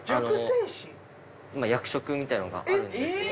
まあ役職みたいなのがあるんですけど。